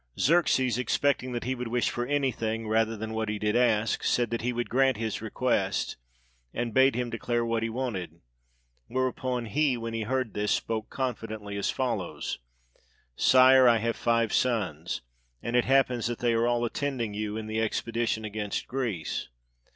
Xerxes, expecting that he would wish for anything rather than what he did ask, said that he would grant his request, and bade him de clare what he wanted ; whereupon he, when he heard this, spoke confidently as follows: " Sire, I have five sons; and it happens that they are all attending you in the expedi tion against Greece.